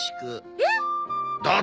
えっ？